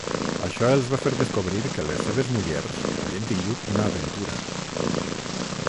Això els va fer descobrir que les seves mullers havien tingut una aventura.